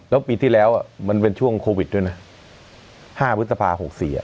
แล้วปีที่แล้วมันเป็นช่วงโควิดด้วยนะ๕พฤษภา๖๔